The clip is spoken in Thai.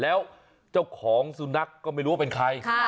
แล้วเจ้าของสุนัขก็ไม่รู้ว่าเป็นใคร